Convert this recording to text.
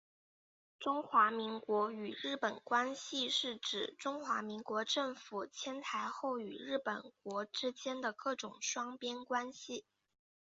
中华民国与日本关系是指中华民国政府迁台后与日本国之间的各种双边关系。